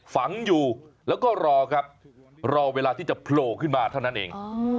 ฝังอยู่แล้วก็รอครับรอเวลาที่จะโผล่ขึ้นมาเท่านั้นเอง